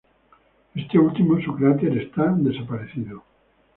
Este último, su cráter está desaparecido.